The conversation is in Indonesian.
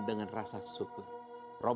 dengan rasa syukur